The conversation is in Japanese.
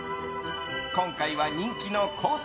今回は人気のコース